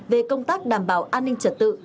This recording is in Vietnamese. về công tác đảm bảo an ninh trật tự